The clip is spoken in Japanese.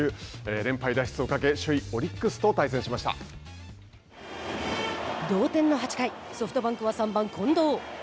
連敗脱出をかけ同点の８回ソフトバンクは三番近藤。